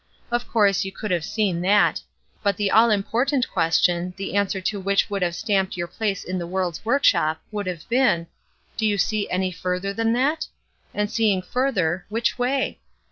Of course you could have seen that, but the all important question, the answer to which would have stamped your place in the world's workshop, would have been, Do you see any further than that? and seeing further which way?